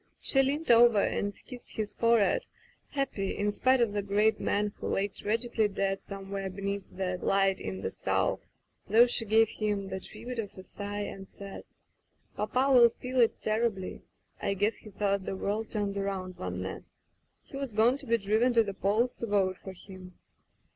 She leaned over and kissed his forehead, happy in spite of the great man who lay tragically dead somewhere beneath that light in the south, though she gave him the tribute of a sigh, and said: "Papa will feel it terribly. I guess he thought the world turned around Van Ness. He was going to be driven to the polls to vote for him."